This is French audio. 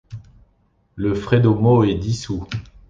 Le Fredemo est dissous.